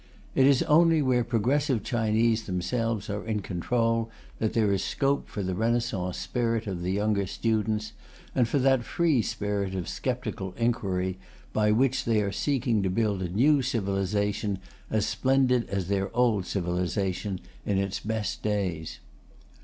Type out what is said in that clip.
It is only where progressive Chinese themselves are in control that there is scope for the renaissance spirit of the younger students, and for that free spirit of sceptical inquiry by which they are seeking to build a new civilization as splendid as their old civilization in its best days.